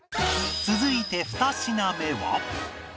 続いて２品目は